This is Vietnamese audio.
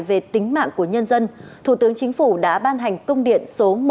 về tính mạng của nhân dân thủ tướng chính phủ đã ban hành công điện số một nghìn ba trăm tám mươi tám yêu cầu